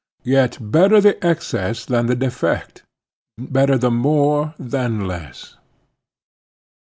Yet better the excess Than the defect ; better the more than less.